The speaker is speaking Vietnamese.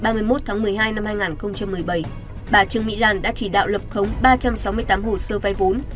bà trương mỹ lan đã chỉ đạo lập khống ba trăm sáu mươi tám hồ sơ vai vốn